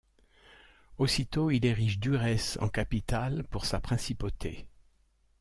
Aussitôt, il érige Durres en capitale pour sa principauté.